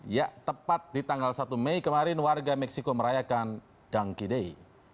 ya tepat di tanggal satu mei kemarin warga meksiko merayakan dunkey day